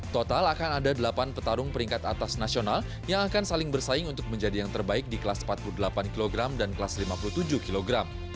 total akan ada delapan petarung peringkat atas nasional yang akan saling bersaing untuk menjadi yang terbaik di kelas empat puluh delapan kg dan kelas lima puluh tujuh kg